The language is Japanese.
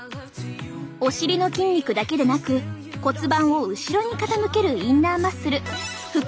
お尻の筋肉だけでなく骨盤を後ろに傾けるインナーマッスル腹